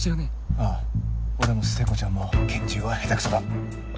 ああ俺も聖子ちゃんも拳銃は下手クソだ。